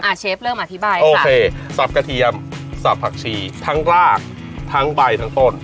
เชฟเริ่มอธิบายโอเคสับกระเทียมสับผักชีทั้งรากทั้งใบทั้งต้น